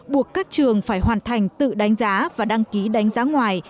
buộc các trường phải hoàn thành tự đánh giá và đăng ký đánh giá ngoài